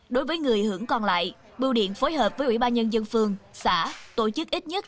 đối với người hưởng còn lại bưu điện phối hợp với ủy ban nhân dân phường xã tổ chức ít nhất